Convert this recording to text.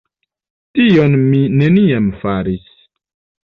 Tion mi neniam faris.